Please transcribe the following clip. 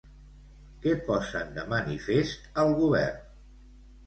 Què posen de manifest al govern?